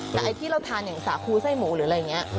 แต่ไอ้ที่เราทานอย่างสาคูไส้หมูหรืออะไรอย่างนี้